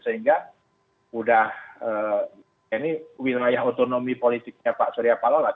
sehingga udah ini wilayah otonomi politiknya pak suryapalo lah